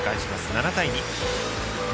７対２。